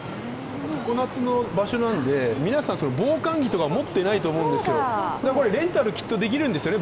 常夏の場所なので、皆さん防寒着とか持ってないと思うんですが、レンタルをきっとできるんですよね？